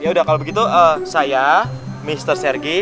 yaudah kalau begitu saya mister sergi